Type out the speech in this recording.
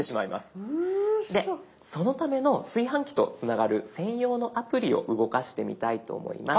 そのための炊飯器とつながる専用のアプリを動かしてみたいと思います。